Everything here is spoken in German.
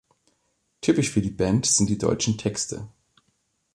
Typisch für die Band sind die deutschen Texte.